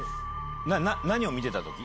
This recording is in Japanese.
何を見てた時？